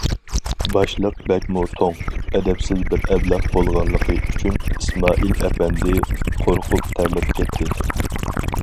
باشلىق بەكمۇ توڭ، ئەدەپسىز بىر ئەبلەخ بولغانلىقى ئۈچۈن، ئىسمائىل ئەپەندى قورقۇپ تەرلەپ كەتتى.